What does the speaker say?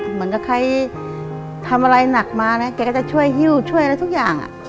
เหมือนกับใครทำอะไรหนักมานะแกก็จะช่วยฮิ้วช่วยอะไรทุกอย่าง